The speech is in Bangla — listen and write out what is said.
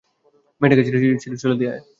মেয়েটাকে ছেড়ে দিয়ে চলে আয়।